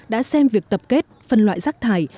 đã xem việc tập kết phân loại rác thải